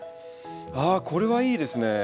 あこれはいいですね。